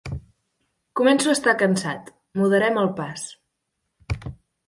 Començo a estar cansat: moderem el pas.